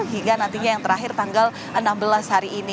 hingga nantinya yang terakhir tanggal enam belas hari ini